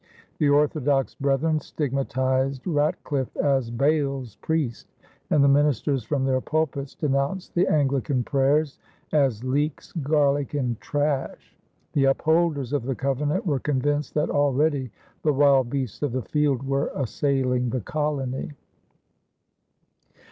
The orthodox brethren stigmatized Ratcliffe as "Baal's priest," and the ministers from their pulpits denounced the Anglican prayers as "leeks, garlick, and trash." The upholders of the covenant were convinced that already "the Wild Beasts of the Field" were assailing the colony.